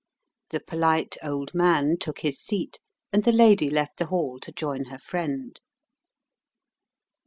The polite old man took his seat, and the lady left the hall to join her friend.